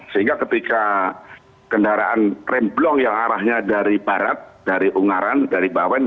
sehingga ketika kendaraan rem blong yang arahnya dari barat dari ungaran dari bawen